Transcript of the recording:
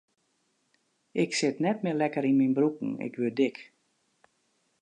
Ik sit net mear lekker yn myn broeken, ik wurd dik.